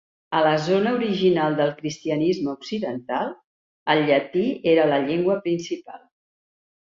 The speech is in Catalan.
A la zona original del cristianisme occidental, el llatí era la llengua principal.